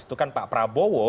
itu kan pak prabowo